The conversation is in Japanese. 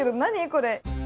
これ。